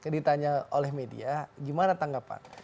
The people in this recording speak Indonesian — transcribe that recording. ditanya oleh media gimana tanggapan